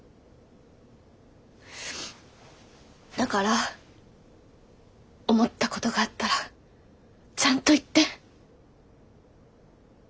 だから思ったことがあったらちゃんと言って。